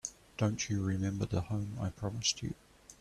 Don't you remember the home I promised you?